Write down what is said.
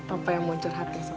apa yang mau curhat ya sama kamu ya